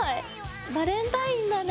バレンタインだね。